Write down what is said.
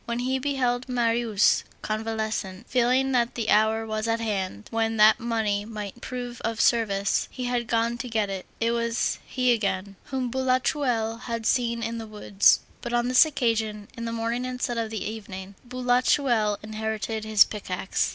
When he beheld Marius convalescent, feeling that the hour was at hand, when that money might prove of service, he had gone to get it; it was he again, whom Boulatruelle had seen in the woods, but on this occasion, in the morning instead of in the evening. Boulatreulle inherited his pickaxe.